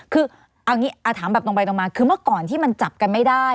คือเอางี้ถามแบบตรงไปตรงมาคือเมื่อก่อนที่มันจับกันไม่ได้